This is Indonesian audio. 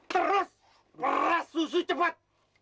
terus merah susu cepat